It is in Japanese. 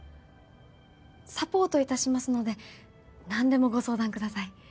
サポートいたしますのでなんでもご相談ください。